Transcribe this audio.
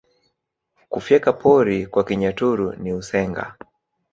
Kufyeka pori kwa Kinyaturu ni Usenga